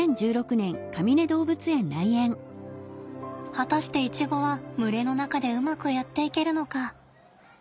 果たしてイチゴは群れの中でうまくやっていけるのか。